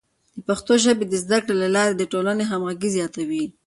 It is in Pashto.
د پښتو ژبې د زده کړې له لارې د ټولنې همغږي زیاتوي.